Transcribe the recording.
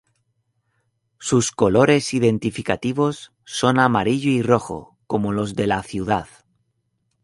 Sus colores identificativos son amarillo y rojo, como los de la ciudad.